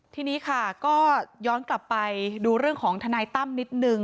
ทีนี้ค่ะก็ย้อนกลับไปดูเรื่องของทนายตั้มนิดนึง